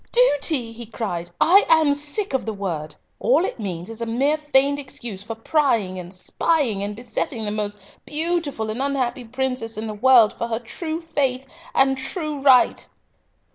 duty!" he cried. "I am sick of the word. All it means is a mere feigned excuse for prying and spying, and besetting the most beautiful and unhappy princess in the world for her true faith and true right!"